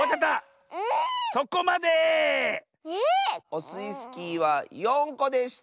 オスイスキーは４こでした。